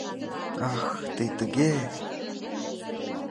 — Ах, тый тыге!..